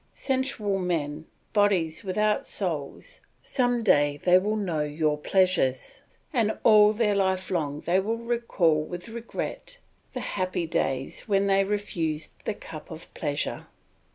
Sensual men, bodies without souls, some day they will know your pleasures, and all their life long they will recall with regret the happy days when they refused the cup of pleasure.